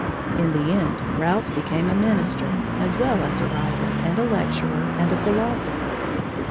In the end, Ralph became a minister, as well as a writer, and a lecturer, and a philosopher.